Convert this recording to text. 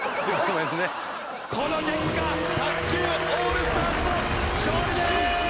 この結果卓球オールスターズの勝利です！